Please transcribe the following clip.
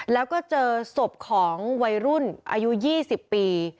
แล้วก็เจอศพของวัยรุ่นอายุ๒๐ปี